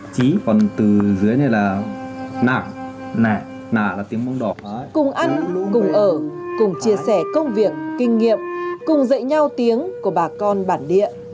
cùng ăn cùng ở cùng chia sẻ công việc kinh nghiệm cùng dạy nhau tiếng của bà con bản địa